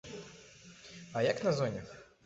А як на зоне?